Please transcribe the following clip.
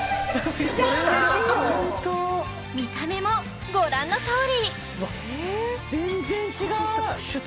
見た目もご覧のとおりうわっ